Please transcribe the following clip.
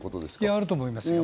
あると思いますよ。